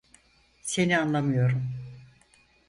Seni anlamıyorum.